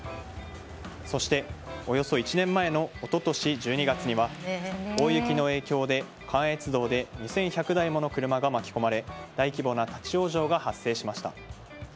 そして、およそ１年前の一昨年１２月には大雪の影響で、関越道で２１００台もの車が巻き込まれ大規模な立往生が発生しました。